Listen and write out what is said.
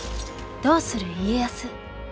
「どうする家康」。